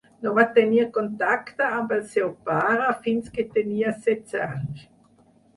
No va tenir contacte amb el seu pare fins que tenia setze anys.